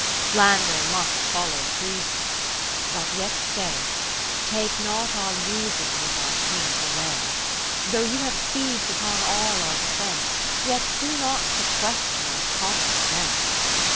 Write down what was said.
Slander must follow Treason ; but yet stay. Take not our reason with our King away. Though you have seiz'd upon all our defence, Yet do not sequester our common sense.